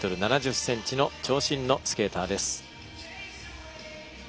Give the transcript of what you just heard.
１ｍ７１ｃｍの長身のスケーターです。